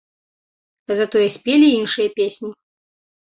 Затое спелі іншыя песні.